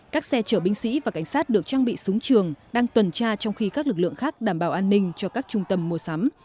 các xe chở binh sĩ và cảnh sát được trang bị súng trường đang tuần tra trong khi các lực lượng khác đảm bảo an ninh cho các trung tâm mua sắm